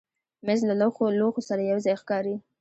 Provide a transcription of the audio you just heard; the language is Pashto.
مېز له لوښو سره یو ځای ښکاري.